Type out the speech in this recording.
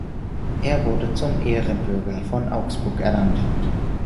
Er wurde zum Ehrenbürger von Augsburg ernannt.